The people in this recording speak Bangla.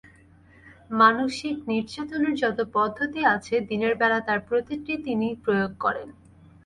মানসিক নির্যাতনের যত পদ্ধতি আছে দিনের বেলা তাঁর প্রতিটি তিনি প্রয়োগ করেন।